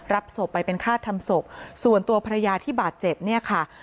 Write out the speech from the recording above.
รับศพไปเป็นฆาตทำศพส่วนตัวภรรยาที่บาดเจ็บเนี่ยค่ะ